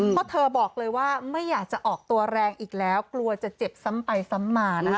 เพราะเธอบอกเลยว่าไม่อยากจะออกตัวแรงอีกแล้วกลัวจะเจ็บซ้ำไปซ้ำมานะคะ